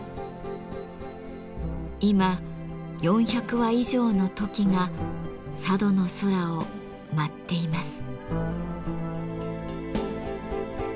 今４００羽以上のトキが佐渡の空を舞っています。